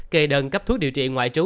kề đơn cấp thuốc điều trị ngoại trú